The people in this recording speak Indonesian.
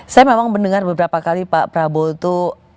saya memang mendengar beberapa kali pak prabowo itu